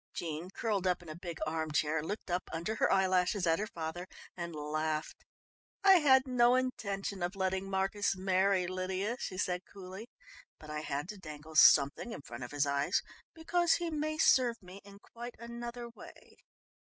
Jean, curled up in a big arm chair, looked up under her eyelashes at her father and laughed. "I had no intention of letting Marcus marry Lydia," she said coolly, "but I had to dangle something in front of his eyes, because he may serve me in quite another way."